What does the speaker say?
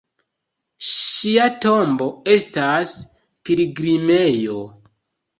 Ŝia tombo estas pilgrimejo.